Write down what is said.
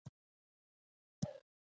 ټول یوه ترانه وایی یو سرود به یې په خوله وي